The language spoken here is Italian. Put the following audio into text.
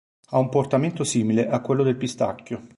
Ha un portamento simile a quello del pistacchio.